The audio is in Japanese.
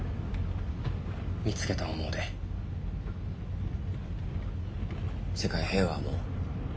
見つけた思うで世界平和も家族も。